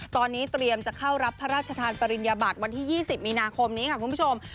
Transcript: ตอนนี้เตรียมจะเข้ารับพระราชทานปริญญาบัติวันที่๒๐มีนาคมนี้ค่ะคุณผู้ชม